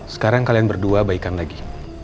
sekarang kalian berdua baikan lagi